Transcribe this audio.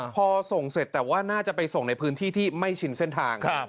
พอส่งเสร็จแต่ว่าน่าจะไปส่งในพื้นที่ที่ไม่ชินเส้นทาง